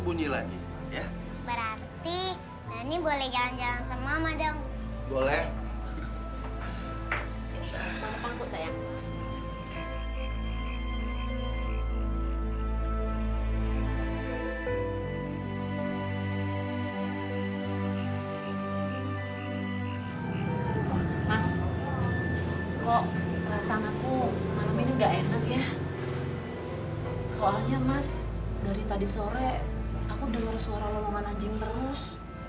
soalnya mas dari tadi sore aku dengar suara lelungan anjing terus